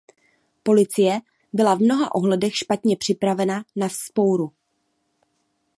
Policie byla v mnoha ohledech špatně připravena na vzpouru.